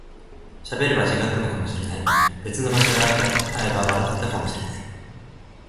喋れば違ったのかもしれない、別の場所で会えば笑っていたかもしれない